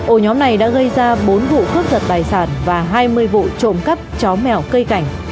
ổ nhóm này đã gây ra bốn vụ cướp giật tài sản và hai mươi vụ trộm cắp chó mèo cây cảnh